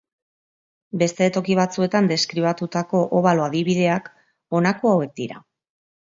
Beste toki batzuetan deskribatutako obalo adibideak honako hauek dira.